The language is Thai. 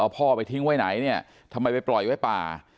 พ่อไปทิ้งไว้ไหนเนี่ยทำไมไปปล่อยไว้ป่า